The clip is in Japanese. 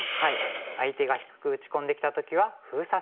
相手が低く打ち込んできた時は封鎖すると。